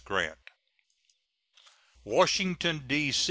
GRANT. WASHINGTON, D.